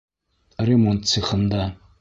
Ремонт цехында.